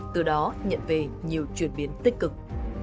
từ đó nhận về nhiều chuyển biến tích cực